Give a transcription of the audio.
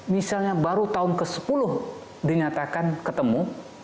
misalnya baru tahun ke sepuluh dinyatakan ketemu